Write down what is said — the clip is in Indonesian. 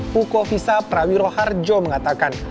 pukovisa prawiroharjo mengatakan